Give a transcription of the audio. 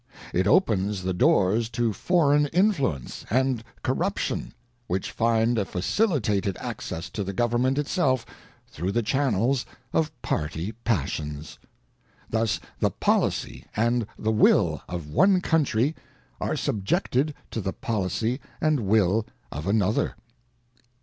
ŌĆö It opens the doors to foreign influence and corruption, which find a facilitated access to the Government itself through the channels of party passions. Thus the policy and the will of one country, are subjected to the pol icy and will of another.